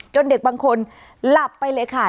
เด็กบางคนหลับไปเลยค่ะ